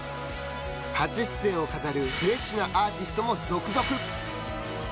初出演を飾るフレッシュなアーティストも続々。